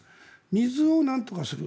水をなんとかする。